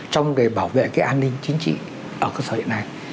trong cái bảo vệ cái an ninh chính trị ở cơ sở hiện nay